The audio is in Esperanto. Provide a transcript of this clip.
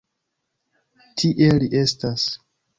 Tie li estas!